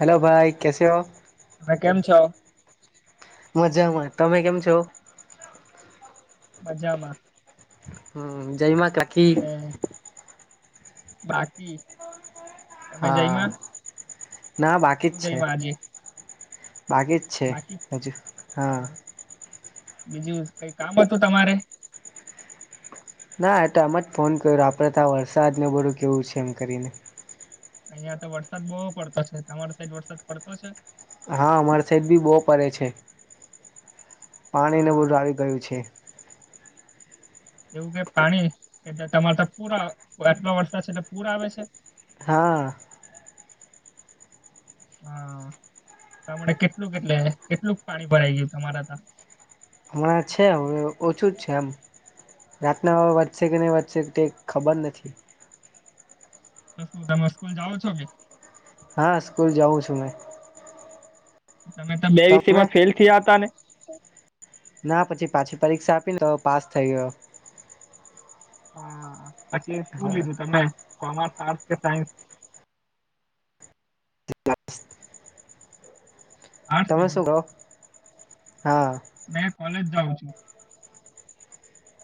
Hello ભાઈ, કેસ હો? તમે કેમ છો? મજામાં, તમે કેમ છો? મજામાં. હમ જયમા કાકી? ને બાકી. તમે હા. જઈમાં ના બાકી શું જ છે. જઈમાં આજે બાકી જ છે બાકી જ, હજુ હા બીજું કઈ કામ હતું તમારે? ના એટ એમ જ ફોન કર્યો આપણે તં વરસાદને બધું કેવું છે એમ કરીને. અહિયાં તો વરસાદ બહુ પડતો છે, તમારો સાઈડ વરસાદ પડતો છે? હા અમારે સાઇડ ભી બો પડે છે. પાણીને હા બહધું આવી ગયું છે. એવું કે પાણી એટલે તમારે તો પૂરા આટલો વરસાદ છે એટલે પૂરા આવે છે? હા. [inaudible] હા તમા કેટલું કેટલે કેટલું પાણી ભરાઈ ગયું તમારા તા? હમણાં છે હવે ઓછું જ છે આમ. રાતના વાવે વધશે કે નહીં વધશે તે ખબર નથી. તમે સ્કૂલ જાઓ છો કે? હા સ્કૂલ જાઉં છું હું. તમે તો બે વિષય તમે માં ફેલ થીયા હતા ને? ના પછી પાછી પરીક્ષા આપીને તો પાસ થઈ ગયો. હા પછી શું લીધું તમે કોમર્સ, આર્ટસ કે સાયન્સ? આર્ટસ તમે લીધું શું કહો? હા. મેં કોલેજ જાઉં છું.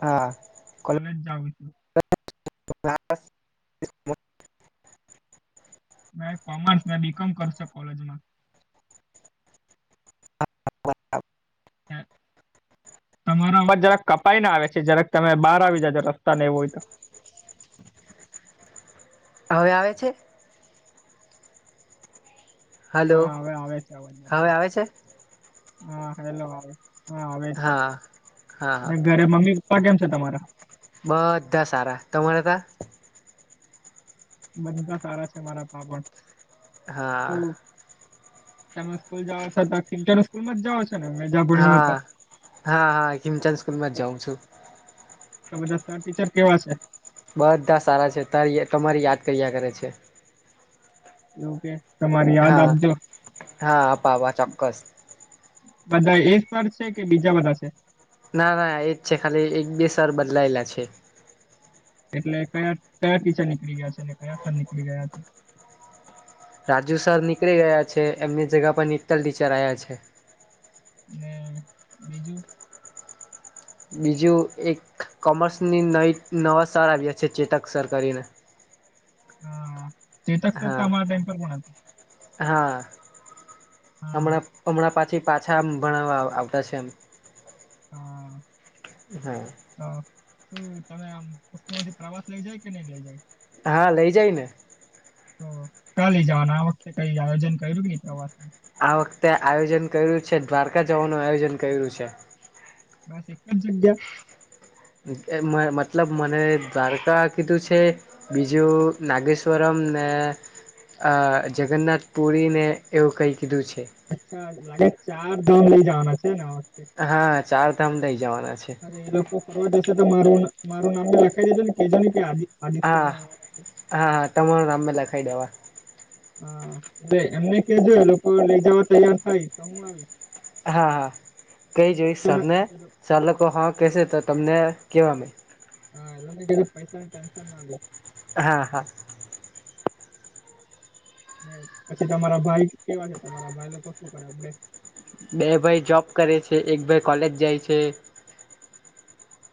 હા. કોલેજ જઉું છું. મે કોમર્સના [inaudible] કોલેજમાં. હમ તમારા અવાજ જરાક કપાઈને આવે છે જરાક તમે બહાર આવી જજો રસ્તા ને એવો હોય તો હવે આવે છે હલો હા હવે આવે છે અવાજ હવે બરાબર આવે છે હા હેલો આવે હા આવે છે હા હા ઘરે મમ્મી પપ્પા કેમ છે તમારા? બધા સારા તમારે તા બાધા સારા છે મારા તા પણ હા તું તમેં સ્કૂલ જાઓ છો [unintelligible] સ્કૂલમાં જાઓ છો [unintelligible] હા હા હા કિમચંદ સ્કૂલ માં જ જાઉં છું બધા તા ટીચર કેવા છે બધા સારા છે તારી તમારી યાદ કર્યા કરે છે એવું કે તમારી યાદ હા આપજો હા આપા આપા ચોક્કસ બધા એ સર છે કે બીજા બધા છે ના ના એજ છે ખાલી એક બે સર બદલાયેલા છે એટલે કયા કયા ટીચર નીકળી ગયા છે અને કયાં સર નીકળી ગયા છે રાજુ સર નીકળી ગયા છે એમની જગા પર નીતલ ટીચર આયા છે ને બીજું બીજું એક કોમર્સની નવી નવા સર આવ્યા છે ચેતક સર કરીને હા ચેતક સર તો હા અમારા ટાઈમ પર પણ હતા હા હા હમણાં હમણાં પાછી પાછા ભણાવવા આવતા છે એમ હા હા તો શું તમે આમાં સ્કૂલમાંથી પ્રવાસ લઈ જાય કે નઈ લઈ જાય હા લઈ જાય ને તો કા લઇ જવાના આ વખતે કઈ આયોજન કર્યું કે પ્રવાસનું આ વખતે આયોજન કર્યું છે દ્વારકા જવાનું આયોજન કર્યું છે બસ એક જ જગ્યા મતલબ મને દ્વારકા કીધું છે બીજું નાગેશ્વરમ ને જગન્નાથ પુરીને એવું કઈ કીધું છે. અચ્છા લાગે ચાર ધામ લઈ જવાના છે ને આ વખતે હા ચારધામ લઇ જવાના છે. હ એ લોકો ફરવા જશે તો મારું માર નામમે લખાઈ દેજૉ ને કેજો ને કે આદી હા હા હા તમારું નામ મે લખાઈ દેવા. હા એટલે એમને કે જો એ લોકો લઈ જવા તૈયાર થાય તો હું આવીશ. હા હા કેઈ જોઈશ પૈસાના સરને એ સર લોકો હા કહેશે તો તમને કેવા મેં. [inaudible] હા હા ને પછી તમારા ભાઈ કેવા છે તમારા ભાઈ લોકો શું કરે આપડે. બે ભાઈ જોબ કરે છે એક ભાઈ કોલેજ જાય છે.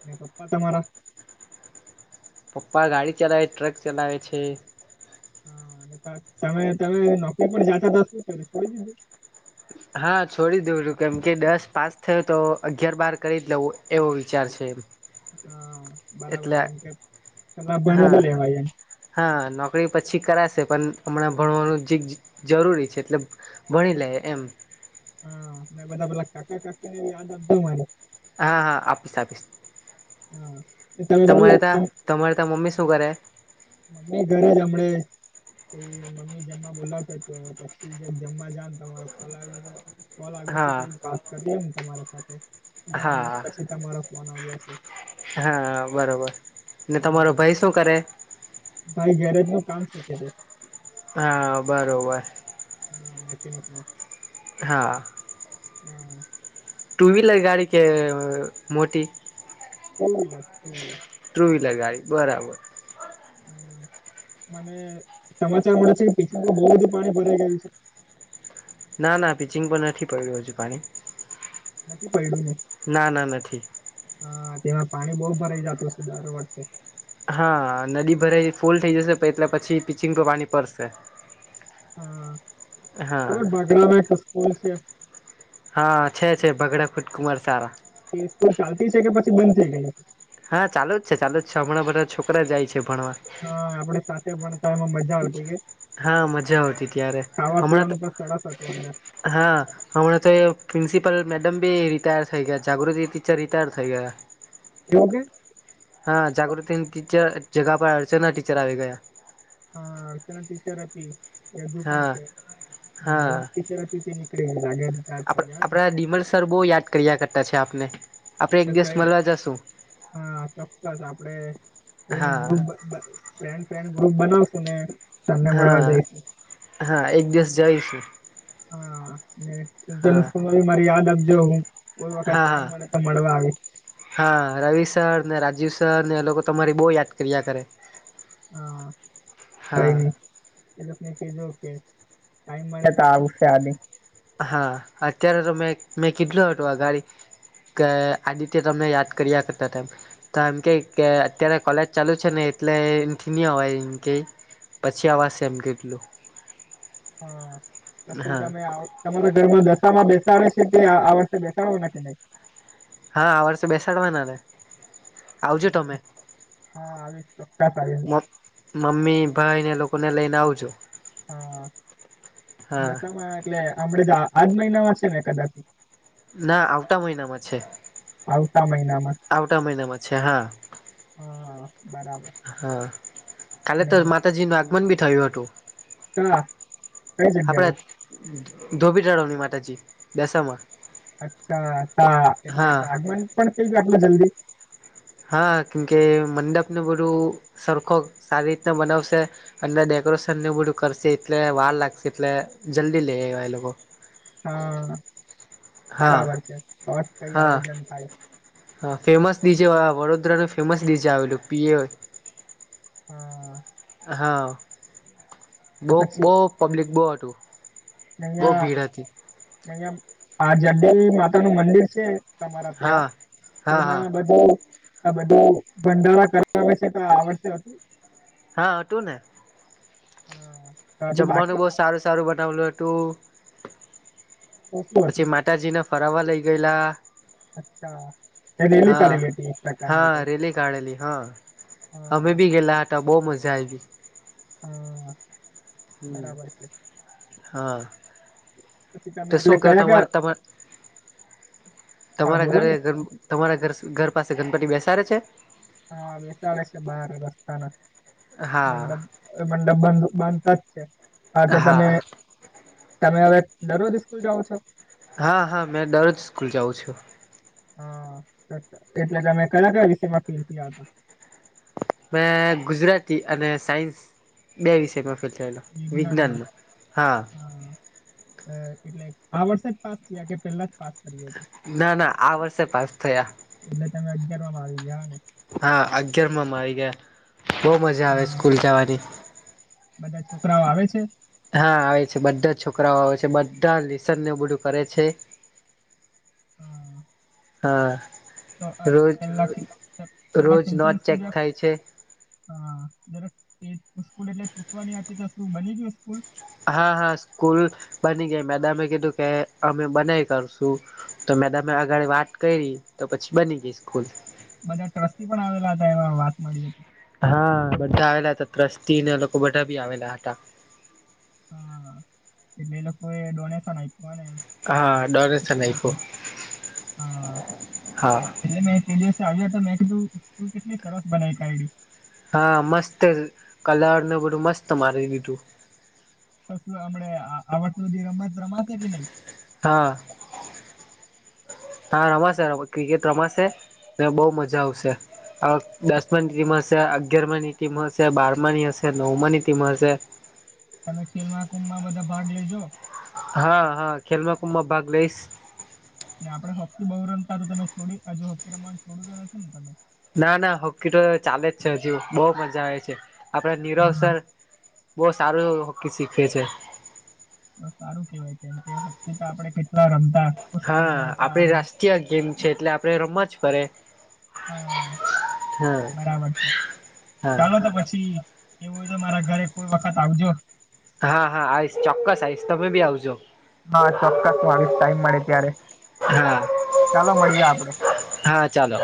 ને પપ્પા તમારા પપ્પા ગાડી ચલાવે ટ્રક ચલાવે છે. તમે તમે નોકરી પર જાતા તા શું કરે છોડી દીધું. હા છોડી દઉં છું કેમ કે દસ પાસ થયો તો અગિયાર બાર કરી જ લવું એવો વિચાર છે હા બરાબર એટલે કેમ કેલા ભણી હા બી લેવાય એમ હા નોકરી પછી કરાશે પણ હમણાં ભણવાનું જી જરૂરી છે એટલે ભણી લેયે એમ. હા ને બધા પેલા કાકા કાકી ને યાદ આપજો મારી હા હા આપીસ આપીસ. હમ. તમારે ત્યાં તમારે ત્યાં મમ્મી શું કરે. મમ્મી ઘરે જમડે પ મમ્મી જમવા બોલાવતા પછી જમવા જ તમારો ફોન આવે છે. કોલ આવ્યો છે તે હા જ વાત કરી તમારા સાથે ઘણા દિવસ હા પછી તમારો ફોન આવ્યો છે. હા બરોબર ને તમારો હા ભાઈ શું કરે. ભાઈ ઘેરજ નુ કામ શીખે છે. હા બરોબર. હા મેકેનિક નુ. હા. હા. ટુ વ્હીલર ગાડી કે મોટી. શમીલર શોલ. ટ્રુ વ્હીલર ગાડી બરાબર. મને સમાચાર મળે છે પીચંગમાં બહુ બધું પાણી ભરાઈ ગયું છે. ના ના પિચિંગ પણ નથી પડ્યું હજુ પાણી. નથી પૈડીયું ને. ના ના નથી. હા તેમાં પાણી બહુ ભરાય જતું દર વખતે. હા નદી ભરા ફૂલ થઈ જશે પણ એટલે પછી પિચિંગ પર પાણી પડશે. હા હા ખબર બગડામાં એક સ્કૂલ છે. હા છે છે ભગડા ફુટકુંમાર સારા. એ સ્કૂલ ચાલતી છે કે પછી બંધ થઈ ગઈ છે. હા ચાલ જ છે ચાલુ જ છે હમણાં બધા છોકરા જાય છે ભણવા. હા આપડે સાથે પણતા એમાં મજા આવતી કે હા મજા આવતી ત્યારે ખાવા હમણાં તો પીવાનું પણ સરસ હતું અંદર હા. હમણાં તો પ્રિન્સિપલ મેડમ બી રિટાયર થઈ ગયા જાગૃતિ ટીચર રિટાયર થઈ ગયા. કેવો કે. હા જાગૃતિની ટીચર જગા પર અડચના ટીચર આવી ગયા. હા અર્ચના ટીચર હ હતી. હજુ પણ હા હા છે જચ નીકળીાગ્યાાર આપ થઈ ને આપડા ડીમલ સર બહુ યાદ કર્યા કરતાં છે આપને આપણે તો એક દિવસ કઈ મળવા જશું. હા ચોક્કસ આપડે ફ્રેન્ડ હા ફન્ડ ગ્રુપ બનાવશું ને તમને મળવા હા જઈશું હા એક દિવસ જઈશું. હા હા નુ મારી યાદ આપજો હું. કોઈ વખત હા હા ટાઈમ મળે તો મળવા આવીએ. હા રવિ સર ને રાજીવ સર ને એ લોકો તમારી બહુ યાદ કર્યા કરે. હા કઈ હા ની. એ લોકોકને કજો કે ટાઈમ મળે તો આવશે આ હા અત્યારે તો મેં મેં કેટલું હતું આ ગાડી કે આ રીતે તમમે યાદ કર્યા કરતાં તેમ તો એમ કે અત્યારે કોલેજ ચાલુ છે ને એટલે એથી નહ હોવાય એમ કે પછી આવાજ એમ કેટલું. હા શું હા તમે આવો. તમારા ઘરમાં દશામાં બેસાડે છે કે આ વર્ષે બેસાડવા નાખ નઈ હા આ વર્ષે બેસાડવાના ને. આવજો તમે. હા હા, આવીશ ચોક્કસ આવીશ મમ્મી ભાઈને લોકોને લઈને આવુંજો. હા દશમાં એટલે આપડે આજ મહિનામાં છે ને કદાચ. ના આવતા મહિનામાં છે. આવતા મહિના. આવટ મહિનામાં છે હા. હા બરાબર. હા કાલે ને તો માતાજીનું આગમન બી થયું હતું. હા. આપણા ધોબી તળવની માતાજી દશામાં. અચ્છા હા એટલે હા આગમન પણ થઈ આટલા જલ્દી. હા કેમકે મંડપને બધું સરખો સારી રીતના બનાવશે અને ડેકોરેશન નું બધું કરશે એટલે વાર લાગશે એટલે જલ્દી લઈ આવ્યા એ લોકો. હા હા બરાબર છે તો જ કઈ હા આયોજન થાય. હા ફેમસ ડીજે વડોદરાનું ફેમસ ડીજે આવેલું પીએ હા. હા. બહુ તો બહુ પબ્લિક બહુ હતું. બહુ અહીંયા ભીડ હતી અહીંયા આ [unintelligible] માતા નું મંદિર છે. તમારા ત્યાં હા હા એમાં હા બધું આ બધું ભડારા કરવા આવે છે તો આવડશે હતું. હા હતું ને. હા. તો હજુ જમવાનું બાકી બહુ સારું સારું બનાવલું હતું તો શું પછી હતું માત માતાજીને ફરાવા લઈ ગયેલા. અચ્છા એ રેલી હા કરેલી હતી એક પ્રકારની હા કઈ. રેલી કાઢેલી હા. હા અમે બી ગેલા હતા બઉ મજા આવી. હા હમ્મ બરાબર છે હા. પછી તમે તો એટલે શું કો કયા કયા તમારે હા તમારા બોલો ઘરે ને ઘર તમારા ઘર ઘર પાસે ગણપતિ બેસાડે છે. હા બેસાડે છે બહાર ની રસ્તાના હા મંડપ મંડપ બંધ બંધ થ જ છે હા તો તમે તમે હવે દરરોજ સ્કૂલ જાઓ છો. હા હા મેં દરરોજ સ્કૂલ જાઉ છું. હા. એટલે તમે કયા કયા વિષયમાં ફીલ થયા છો. મેં ગુજરાતી અને સાયન્સ બે વિષયમાં ફેલ થયેલો. વિજ્ઞાનમાં હા. [unintelligible] એટલે આ વર્ષ જ પાસ થયા કે પેલા જ પાસ કર્યું હત. ના ના આ વર્ષે પાસ થયા. એટલે તમે અગિયાર માં મા આવી ગયા ને. હા અગિયારમાંમાં આવી ગયા બહુ મજા આવે હા સ્કૂલ જવાની. બધા છોકરાઓ આવે છે. હા આવે છે બધા જ છોકરાઓ આવે છે બધા લિસનને બધું કરે છે. [inaudible] હા તો હા રોજ પેલા પેલા રોજ ખીંચન નોટ સ્કૂલ ચેક જરાક થાય છે. હા જરાક એ સ્કૂલ એટલે ચૂટવાની હતી તો શું બની ગયું સ્કૂલ. હા હા સ્કૂલ બની ગઈ મેડમે કીધું કે અમે બનાઈ કાઢશું. તો મેડમે આગળ વાત કરી તો પછી બની ગઈ સ્કૂલ. બધા ટ્રસ્ટી પણ આવેલા હતા એમાં વાત મળી હતી. હા બધા આવેલા હતા ત્રસ્તીને લોકો બધા ભી આવેલા હતા. હા એટલે એ લોકો એ ડોનેશન આપ્યું હોય ને એમ. હા ડોનેશન આપ્યું હા હા. એટલે મેં તે દિવસે આવ્યા હતા મેં કીધું કેટલી સરસ બનાવીાઢડી હા મસ્ત કલરને બધું મસ્ત મારી દીધું કશું હમણે આવડ જે રમત રમાશે કે નહી હા હા રમાશે ક્રિકેટ રમાશે ને બહુ મજા આવશે દસમાની ટીમ હશે અગિયાર માની ટીમ હશે બારમાની હશે નવમાંની ટીમ હશે તમે ખેલ મહાકુંભ માં બધા ભાગ લેજો હા હા ખેલમાં કુંભમાં ભાગ લઈશ ને આપડે હોકી બઉુ રમતા તો તમે છોડી હજુ હોકી રમવા છોડું તો નથી ને તમે ના ના હોકી તો ચાલે જ છે હજુ બહુ મજા આવે છે આપડે નીરવ હા સર બહુ સારું હોકી શીખવે છે સારું કેવાય કેમ કે હોક્કી તો આપડે કેટલા રમતા હા સ્કૂલમાં હતા આપડી અને રાષ્ટ્રીય ગેમ છે એટલે આપડે રમ જ કરે હા બરાબર છે હા ચાલો તો પછી એવું હોય તો મારા ઘરે કોઈ વખત આવજો હા હા આઈશ ચોક્કસ આઈશ તમે બી આવજો હા ચોક્કસ હું આવીશ ટાઈમ મળે ત્યારે હા ચાલો મળીએ આપડે હા ચાલો